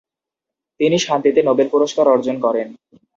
তিনি শান্তিতে নোবেল পুরস্কার অর্জন করেন।